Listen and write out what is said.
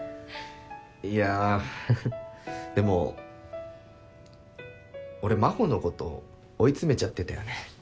いやでも俺真帆のこと追い詰めちゃってたよね？